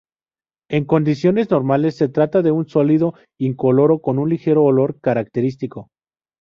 En condiciones normales se trata de un sólido incoloro con un ligero olor característico.